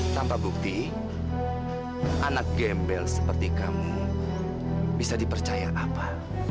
sampai jumpa di video selanjutnya